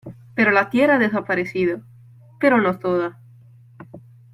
pero la tierra ha desaparecido, pero no toda.